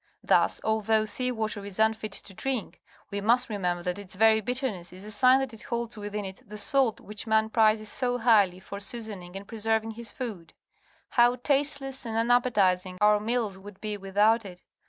Thus, although sea water is unfit to drink, we must remember that its very bitterness is a sign that it holds within it the salt which man prizes so highly for seasoning and preserving his food. How tasteless and unappetizing our meals would be without it!